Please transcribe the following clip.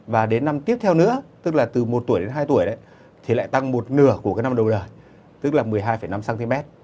và đến năm tiếp theo nữa tức là từ một tuổi đến hai tuổi đấy thì lại tăng một nửa của cái năm đầu đời tức là một mươi hai năm cm